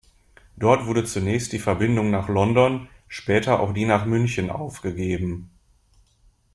Dort wurde zunächst die Verbindung nach London, später auch die nach München aufgegeben.